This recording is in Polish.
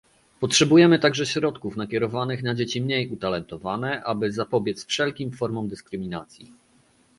Potrzebujemy także środków nakierowanych na dzieci mniej utalentowane, aby zapobiec wszelkim formom dyskryminacji